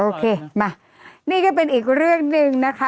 โอเคมานี่ก็เป็นอีกเรื่องหนึ่งนะคะ